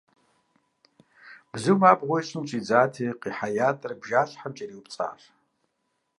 Бзум абгъуэ ищӏын щӏидзати, къихьа ятӏэр бжащхьэм кӏэриупцӏащ.